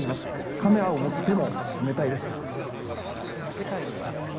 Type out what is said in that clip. カメラを持つ手も冷たいです。